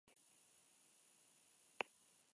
Ermitaren inguruan kokatutako baserri-gune txikia da.